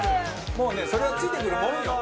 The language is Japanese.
もうねそれはついてくるもんよ。